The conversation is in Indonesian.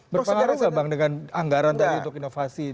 berpengaruh enggak bang dengan anggaran dari untuk inovasi